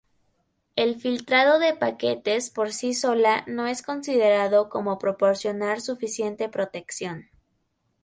El filtrado de paquetes por sí sola no es considerado como proporcionar suficiente protección.